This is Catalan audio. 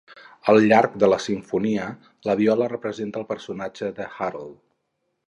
Al llarg de la simfonia, la viola representa al personatge de Harold.